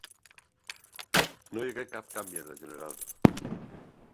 No hi hagué cap canvi en la general.